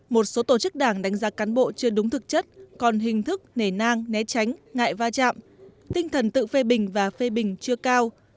một số tổ chức đảng đánh giá cán bộ chưa đúng thực chất còn hình thức nể nang né tránh ngại va chạm tinh thần tự phê bình và phê bình chưa cao